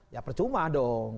ya percuma dong